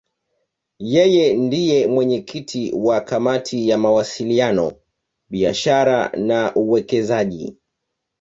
Yeye ndiye mwenyekiti wa Kamati ya Mawasiliano, Biashara na Uwekezaji.